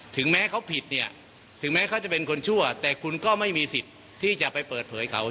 ถึงแม้เขาผิดเนี่ยถึงแม้เขาจะเป็นคนชั่วแต่คุณก็ไม่มีสิทธิ์ที่จะไปเปิดเผยเขา